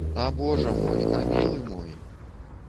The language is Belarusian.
А божа мой, а мілы мой!